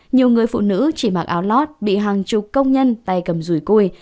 nhiều người phụ nữ chỉ mặc áo lót bị hàng chục công nhân tay cầm rùi cui